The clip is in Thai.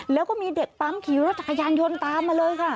แล้วก็มีเด็กปั๊มขี่รถจักรยานยนต์ตามมาเลยค่ะ